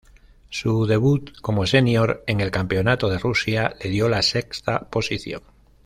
Su debut como "senior" en el Campeonato de Rusia le dio la sexta posición.